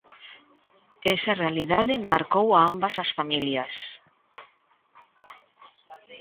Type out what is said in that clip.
Esa realidade marcou a ambas as familias.